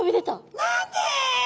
「何で？」。